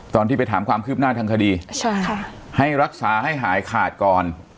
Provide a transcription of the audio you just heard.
ตอนที่ไปถามความคืบหน้าทางคดีใช่ค่ะให้รักษาให้หายขาดก่อน